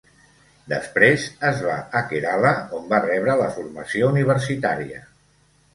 Després, es va a Kerala on va rebre la formació universitària.